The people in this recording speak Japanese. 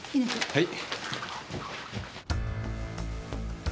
はい。